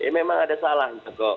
memang ada salah